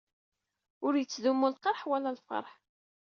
Ur yettdumu lqerḥ wala lfeṛḥ.